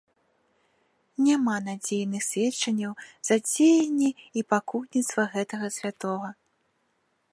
Няма надзейных сведчанняў за дзеянні і пакутніцтва гэтага святога.